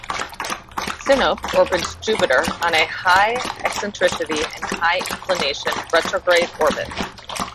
Sinope orbits Jupiter on a high eccentricity and high inclination retrograde orbit.